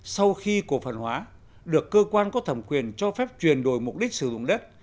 sau khi cổ phần hóa được cơ quan có thẩm quyền cho phép chuyển đổi mục đích sử dụng đất